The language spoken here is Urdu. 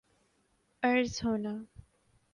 عرض ہونا